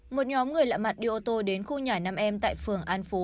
một nhóm người lạ mặt đi ô tô đến khu nhà năm em tại phường an phú